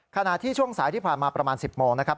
ขณะที่ช่วงสายที่ผ่านมาประมาณ๑๐โมงนะครับ